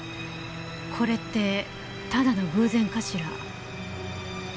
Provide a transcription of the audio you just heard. これってただの偶然かしら？